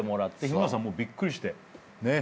日村さんびっくりして。